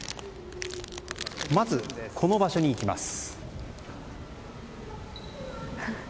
まず、この場所に行きます。